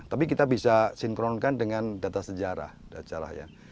tapi kita bisa sinkronkan dengan data sejarah ya